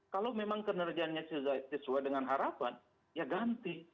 kalau memang kinerjanya sesuai dengan harapan ya ganti